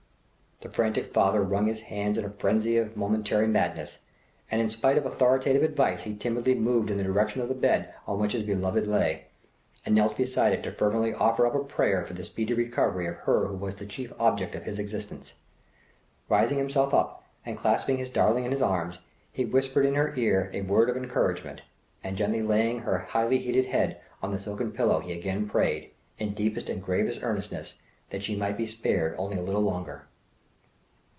The frantic father wrung his hands in a frenzy of momentary madness, and in spite of authoritative advice he timidly moved in the direction of the bed on which his beloved lay, and knelt beside it to fervently offer up a prayer "for the speedy recovery of her who was the chief object of his existence." Raising himself up and clasping his darling in his arms, he whispered in her ear a word of encouragement, and gently laying her highly heated head on the silken pillow he again prayed, in deepest and gravest earnestness, "that she might be spared only a little longer."